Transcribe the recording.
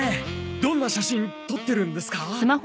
どんな写真撮ってるんですか？